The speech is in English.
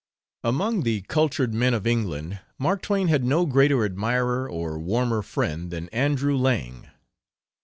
Among the cultured men of England Mark Twain had no greater admirer, or warmer friend, than Andrew Lang.